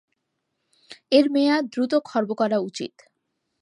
এর মেয়াদ দ্রুত খর্ব করা উচিত।